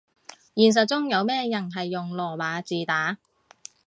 現實中有咩人係用羅馬字打